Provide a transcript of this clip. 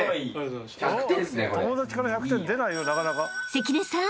［関根さん。